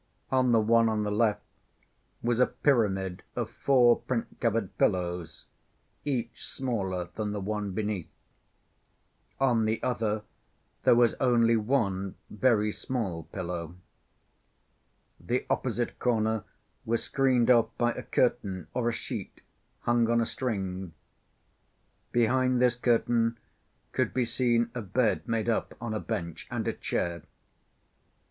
On the one on the left was a pyramid of four print‐covered pillows, each smaller than the one beneath. On the other there was only one very small pillow. The opposite corner was screened off by a curtain or a sheet hung on a string. Behind this curtain could be seen a bed made up on a bench and a chair.